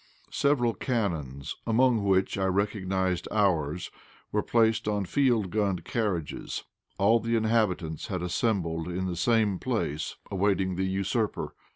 Several cannons, among which I recognized ours, were placed on field gun carriages. All the inhabitants had assembled in the same place, awaiting the usurper.